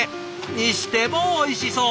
にしてもおいしそう！